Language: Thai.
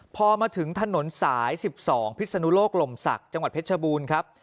พอมาถึงถนนสาย๑๒พิศนุโลกลมศักดิ์จังหวัดเพชรบูรณ์ครับ